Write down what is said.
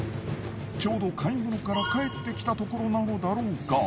ちょうど買い物から帰ってきたところなのだろうか。